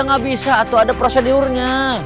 ga bisa atuh ada prosedurnya